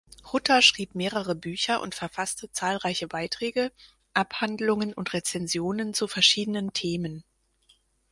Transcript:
Hutter schrieb mehrere Bücher und verfasste zahlreiche Beiträge, Abhandlungen und Rezensionen zu verschiedenen Themen.